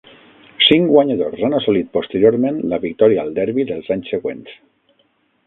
Cinc guanyadors han assolit posteriorment la victòria al derbi dels anys següents.